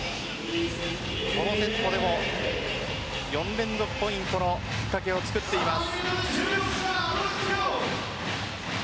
このセットでも４連続ポイントのきっかけを作っています。